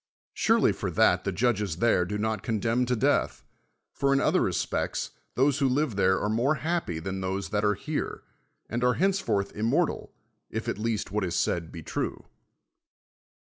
Surely for that the judu'es there do not condemn to death ; for in other respects tlio e who live thei'e are more hajipy than those that are here, and are hence forth immortal, if at least what is said be true.